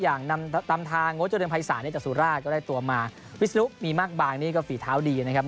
อย่างนำทางงดเจริญภัยศาลจากสุราชก็ได้ตัวมาวิศนุมีมากบางนี่ก็ฝีเท้าดีนะครับ